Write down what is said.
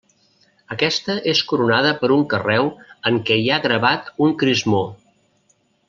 Aquesta és coronada per un carreu en què hi ha gravat un crismó.